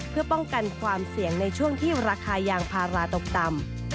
เพื่อป้องกันความเสี่ยงในช่วงที่ราคายางพาราตกต่ำ